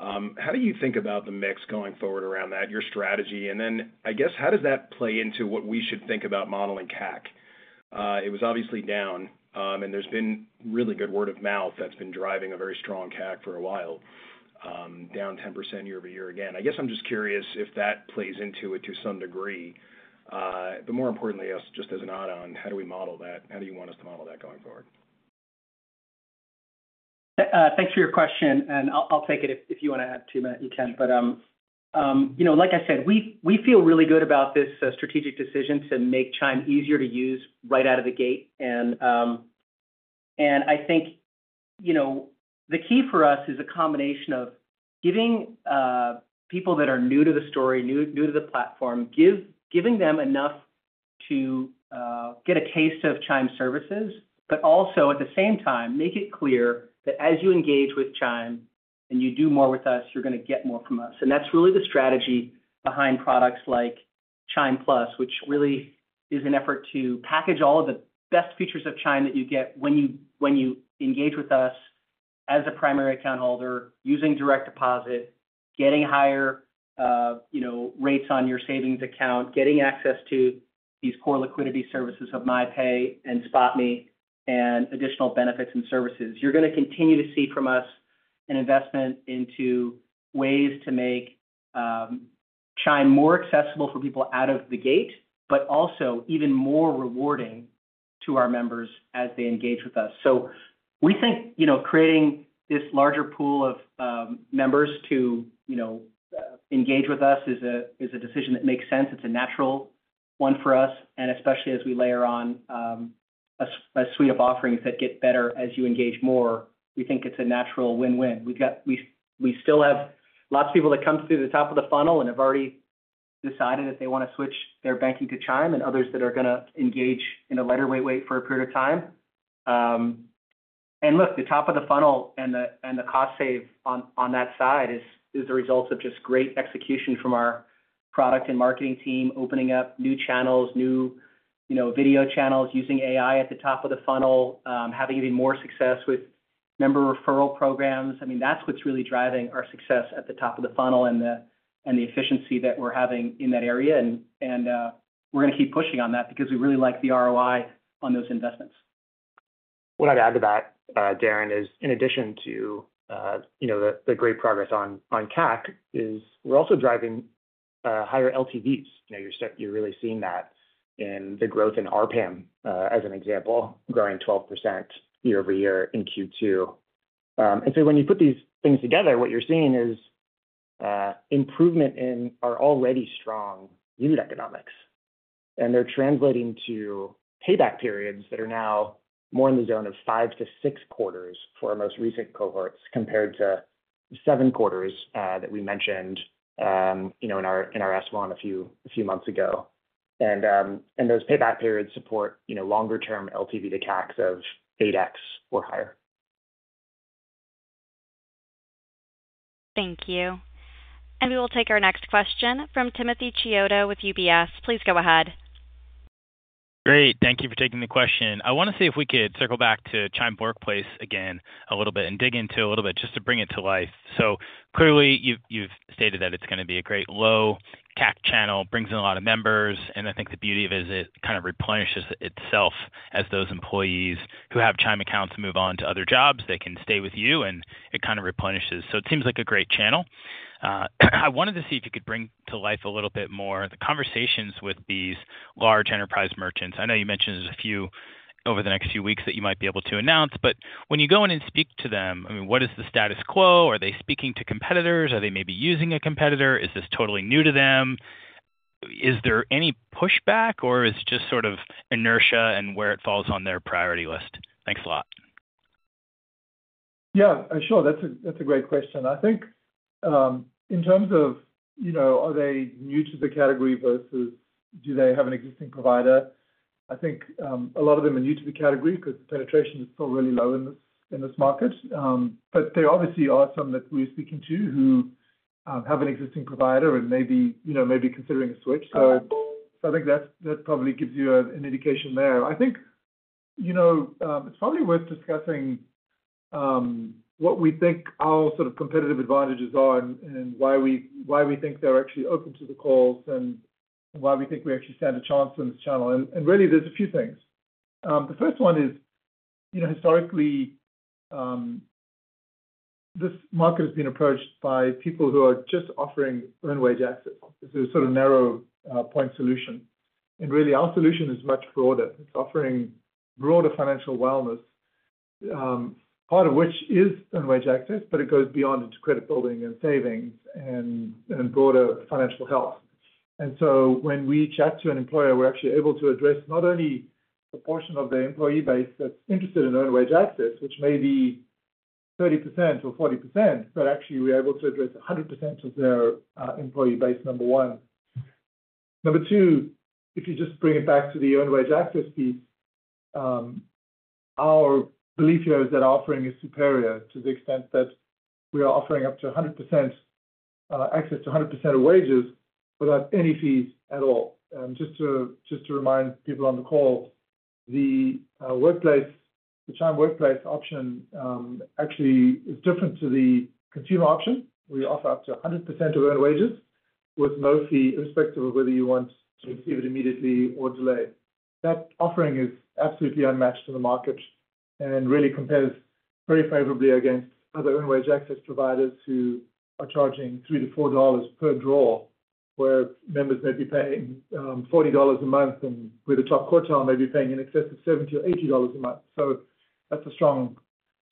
How do you think about the mix going forward around that, your strategy? I guess, how does that play into what we should think about modeling CAC? It was obviously down. There's been really good word of mouth that's been driving a very strong CAC for a while, down 10% year over year again. I'm just curious if that plays into it to some degree. More importantly, just as an add-on, how do we model that? How do you want us to model that going forward? Thanks for your question. I'll take it. If you want to add to that, you can. Like I said, we feel really good about this strategic decision to make Chime easier to use right out of the gate. I think the key for us is a combination of giving people that are new to the story, new to the platform, enough to get a taste of Chime services, but also at the same time, making it clear that as you engage with Chime and you do more with us, you're going to get more from us. That's really the strategy behind products like Chime+, which really is an effort to package all of the best features of Chime that you get when you engage with us as a primary account holder, using direct deposit, getting higher rates on your savings account, getting access to these core liquidity services of MyPay and SpotMe, and additional benefits and services. You're going to continue to see from us an investment into ways to make Chime more accessible for people out of the gate, but also even more rewarding to our members as they engage with us. We think creating this larger pool of members to engage with us is a decision that makes sense. It's a natural one for us, especially as we layer on a suite of offerings that get better as you engage more. We think it's a natural win-win. We still have lots of people that come through the top of the funnel and have already decided that they want to switch their banking to Chime and others that are going to engage in a lighter weight for a period of time. The top of the funnel and the cost save on that side is the result of just great execution from our product and marketing team, opening up new channels, new video channels, using AI at the top of the funnel, having even more success with member referral programs. That's what's really driving our success at the top of the funnel and the efficiency that we're having in that area. We're going to keep pushing on that because we really like the ROI on those investments. What I'd add to that, Darrin, is in addition to the great progress on CAC, we're also driving higher LTVs. You're really seeing that in the growth in ARPAM as an example, growing 12% year over year in Q2. When you put these things together, what you're seeing is improvement in our already strong unit economics. They're translating to payback periods that are now more in the zone of five to six quarters for our most recent cohorts compared to seven quarters that we mentioned in our S1 a few months ago. Those payback periods support longer-term LTV to CACs of 8x or higher. Thank you. We will take our next question from Timothy Chiodo with UBS. Please go ahead. Great. Thank you for taking the question. I want to see if we could circle back to Chime Workplace again a little bit and dig into it a little bit just to bring it to life. Clearly, you've stated that it's going to be a great low-CAC channel, brings in a lot of members. I think the beauty of it is it kind of replenishes itself as those employees who have Chime accounts move on to other jobs. They can stay with you, and it kind of replenishes. It seems like a great channel. I wanted to see if you could bring to life a little bit more the conversations with these large enterprise merchants. I know you mentioned there's a few over the next few weeks that you might be able to announce. When you go in and speak to them, what is the status quo? Are they speaking to competitors? Are they maybe using a competitor? Is this totally new to them? Is there any pushback, or is it just sort of inertia and where it falls on their priority list? Thanks a lot. Yeah, sure. That's a great question. I think in terms of, you know, are they new to the category versus do they have an existing provider? I think a lot of them are new to the category because the penetration is still really low in this market. There obviously are some that we're speaking to who have an existing provider and may be, you know, maybe considering a switch. I think that probably gives you an indication there. I think, you know, it's probably worth discussing what we think our sort of competitive advantages are and why we think they're actually open to the calls and why we think we actually stand a chance on this channel. There are a few things. The first one is, you know, historically, this market has been approached by people who are just offering earned wage access. It's a sort of narrow point solution. Our solution is much broader. It's offering broader financial wellness, part of which is earned wage access, but it goes beyond into credit building and savings and broader financial health. When we chat to an employer, we're actually able to address not only a portion of their employee base that's interested in earned wage access, which may be 30% or 40%, but actually, we're able to address 100% of their employee base, number one. Number two, if you just bring it back to the earned wage access piece, our belief here is that our offering is superior to the extent that we are offering up to 100% access to 100% of wages without any fees at all. Just to remind people on the call, the Chime Workplace option actually is different to the consumer option. We offer up to 100% of earned wages with no fee, irrespective of whether you want to receive it immediately or delay. That offering is absolutely unmatched in the market and really compares very favorably against other earned wage access providers who are charging $3 to $4 per draw, where members may be paying $40 a month, and with a top quartile, may be paying in excess of $70 or $80 a month. That's a strong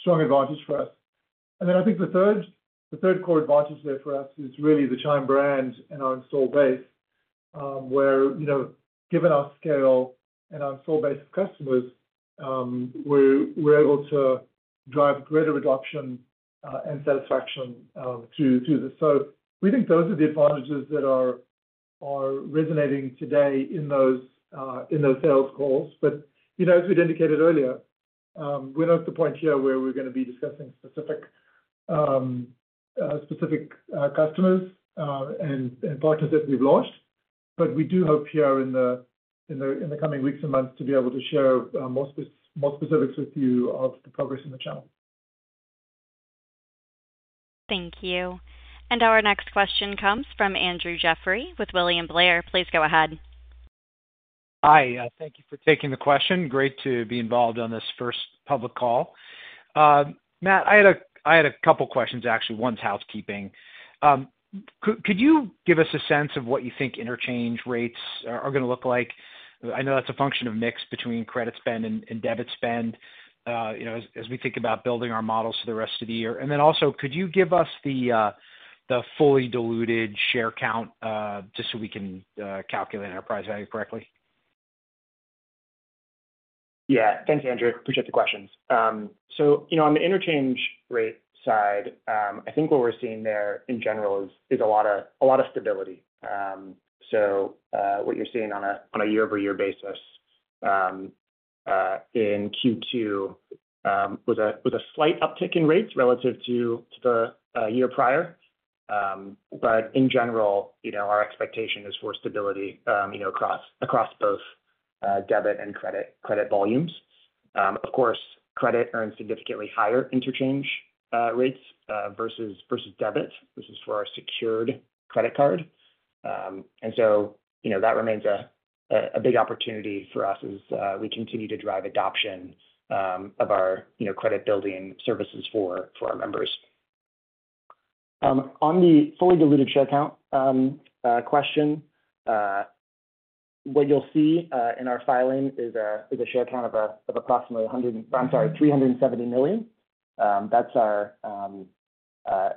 advantage for us. I think the third core advantage there for us is really the Chime brand and our install base, where, you know, given our scale and our install base of customers, we're able to drive greater adoption and satisfaction through this. We think those are the advantages that are resonating today in those sales calls. As we'd indicated earlier, we're not at the point here where we're going to be discussing specific customers and partners that we've launched. We do hope here in the coming weeks and months to be able to share more specifics with you of the progress in the channel. Thank you. Our next question comes from Andrew Jeffrey with William Blair. Please go ahead. Hi. Thank you for taking the question. Great to be involved on this first public call. Matt, I had a couple of questions, actually. One's housekeeping. Could you give us a sense of what you think interchange rates are going to look like? I know that's a function of mix between credit spend and debit spend, you know, as we think about building our models for the rest of the year. Also, could you give us the fully diluted share count just so we can calculate our price value correctly? Yeah, thanks, Andrew. Appreciate the questions. On the interchange rate side, I think what we're seeing there in general is a lot of stability. What you're seeing on a year-over-year basis in Q2 was a slight uptick in rates relative to the year prior. In general, our expectation is for stability across both debit and credit volumes. Of course, credit earns significantly higher interchange rates versus debit. This is for our secured credit card. That remains a big opportunity for us as we continue to drive adoption of our credit building services for our members. On the fully diluted share count question, what you'll see in our filing is a share count of approximately 370 million. That's our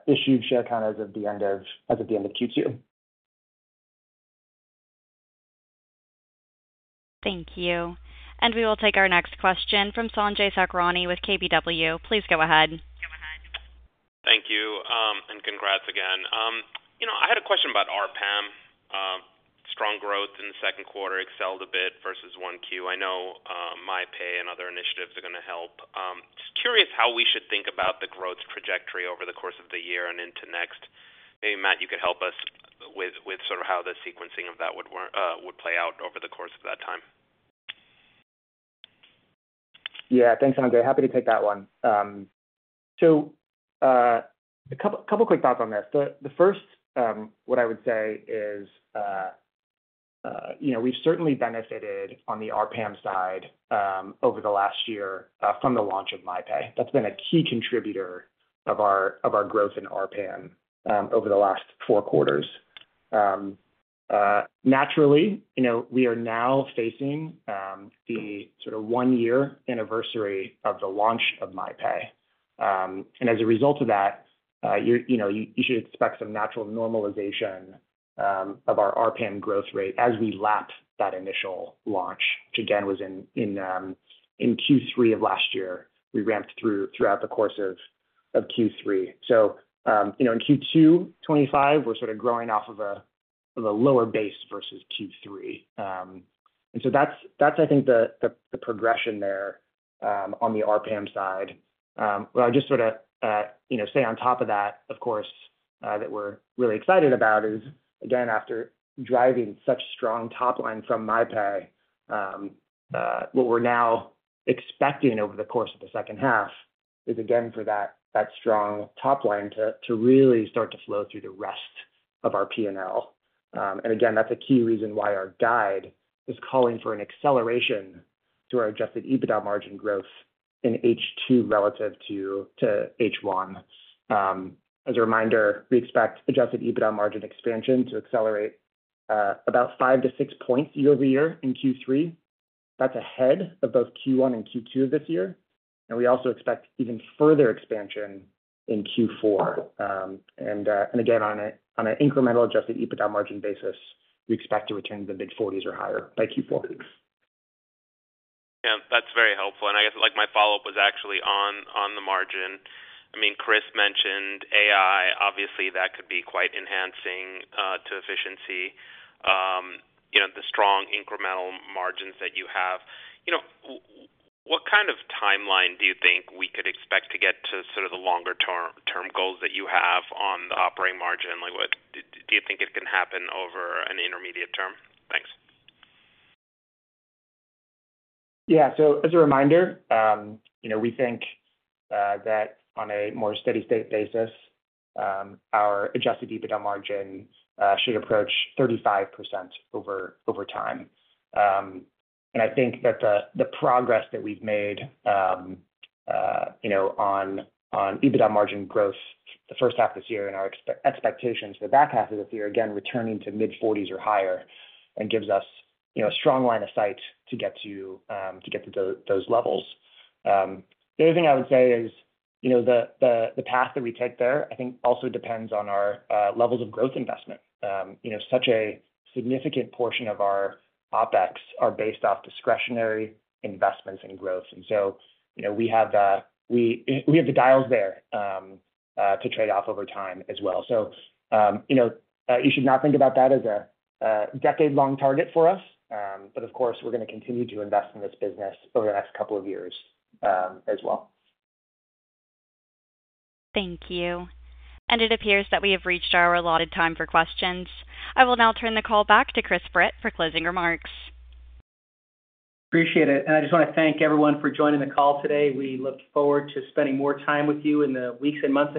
issued share count as of the end of Q2. Thank you. We will take our next question from Sanjay Sakhrani with KBW. Please go ahead. Thank you. Congrats again. I had a question about ARPAM. Strong growth in the second quarter excelled a bit versus 1Q. I know MyPay and other initiatives are going to help. Just curious how we should think about the growth trajectory over the course of the year and into next. Maybe, Matt, you could help us with sort of how the sequencing of that would play out over the course of that time. Yeah, thanks, Sanjay. Happy to take that one. A couple of quick thoughts on this. The first, what I would say is, you know, we've certainly benefited on the ARPAM side over the last year from the launch of MyPay. That's been a key contributor of our growth in ARPAM over the last four quarters. Naturally, you know, we are now facing the sort of one-year anniversary of the launch of MyPay. As a result of that, you know, you should expect some natural normalization of our ARPAM growth rate as we lap that initial launch, which again was in Q3 of last year. We ramped through throughout the course of Q3. In Q2 2025, we're sort of growing off of a lower base versus Q3, and that's, I think, the progression there on the ARPAM side. I just sort of, you know, say on top of that, of course, that we're really excited about is, again, after driving such strong top line from MyPay, what we're now expecting over the course of the second half is, again, for that strong top line to really start to flow through the rest of our P&L. Again, that's a key reason why our guide is calling for an acceleration to our adjusted EBITDA margin growth in H2 relative to H1. As a reminder, we expect adjusted EBITDA margin expansion to accelerate about 5%-6% year over year in Q3. That's ahead of both Q1 and Q2 of this year. We also expect even further expansion in Q4. Again, on an incremental adjusted EBITDA margin basis, we expect to return to the mid-40% or higher by Q4. Yeah, that's very helpful. I guess, like, my follow-up was actually on the margin. I mean, Chris mentioned AI. Obviously, that could be quite enhancing to efficiency. You know, the strong incremental margins that you have. What kind of timeline do you think we could expect to get to sort of the longer-term goals that you have on the operating margin? Do you think it can happen over an intermediate term? Thanks. Yeah, as a reminder, we think that on a more steady-state basis, our adjusted EBITDA margin should approach 35% over time. I think that the progress that we've made on EBITDA margin growth the first half of this year and our expectations for the back half of this year, returning to mid-40% or higher, gives us a strong line of sight to get to those levels. The other thing I would say is the path that we take there also depends on our levels of growth investment. Such a significant portion of our OpEx is based off discretionary investments and growth, and we have the dials there to trade off over time as well. You should not think about that as a decade-long target for us. Of course, we're going to continue to invest in this business over the next couple of years as well. Thank you. It appears that we have reached our allotted time for questions. I will now turn the call back to Chris Britt for closing remarks. Appreciate it. I just want to thank everyone for joining the call today. We look forward to spending more time with you in the weeks and months.